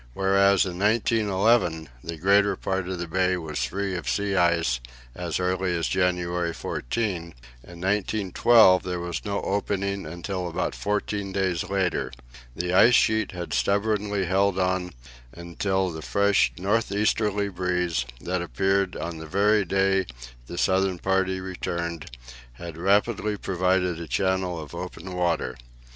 Whereas in 1911 the greater part of the bay was free of sea ice as early as January 14, in 1912 there was no opening until about fourteen days later. The ice sheet had stubbornly held on until the fresh north easterly breeze, that appeared on the very day the southern party returned, had rapidly provided a channel of open water.